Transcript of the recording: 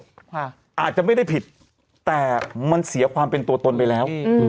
อาจจะไม่ได้ผิดแต่มันเสียความเป็นตัวตนไปแล้วอืม